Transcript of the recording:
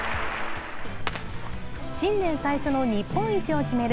新年最初の日本一を決める